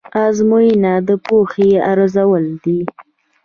ازموینه د پوهې ارزول دي.